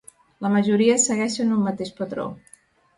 La majoria segueixen un mateix patró.